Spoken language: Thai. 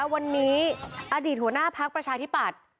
วันนี้อดีตหัวหน้าพักประชาธิปัตย์